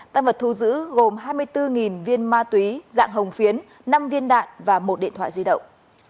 tăng vật thu giữ gồm hai mươi bốn viên ma túy dạng hồng phiến năm viên đạn và một điện thoại di động